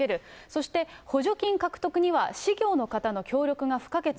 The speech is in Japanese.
そして補助金獲得には、士業の方の協力が不可欠。